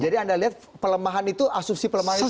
jadi anda lihat asumsi pelemahan itu apa